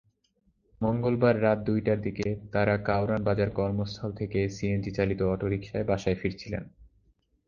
মঙ্গলবার রাত দুইটার দিকে তাঁরা কারওয়ান বাজার কর্মস্থল থেকে সিএনজিচালিত অটোরিকশায় বাসায় ফিরছিলেন।